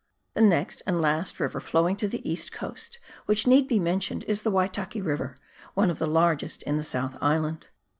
The next and last river flowing to the east coast which need be mentioned is the Waitaki River, one of the largest in the South Island.